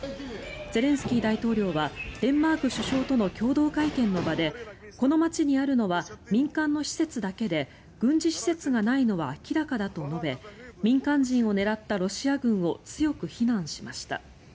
ゼレンスキー大統領はデンマーク首相との共同会見の場でこの街にあるのは民間の施設だけで軍事施設がないのは明らかだと述べ民間人を狙ったロシア軍を強く非難しました。